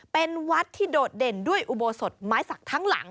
เป็นวัดที่โดดเด่นด้วยอุโบสถไม้สักทั้งหลัง